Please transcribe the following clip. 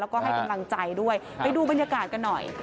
แล้วก็ให้กำลังใจด้วยไปดูบรรยากาศกันหน่อย